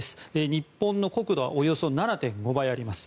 日本の国土のおよそ７．５倍あります。